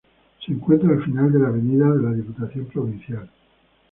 Se encuentra al final de la avenida de la Diputación Provincial.